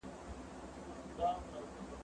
زه به اوږده موده چپنه پاک کړې وم!؟